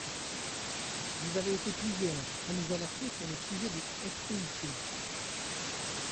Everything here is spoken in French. Vous avez été plusieurs à nous alerter sur le sujet des SPIC.